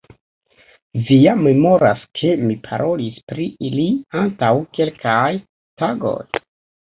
Vi ja memoras, ke mi parolis pri ili antaŭ kelkaj tagoj?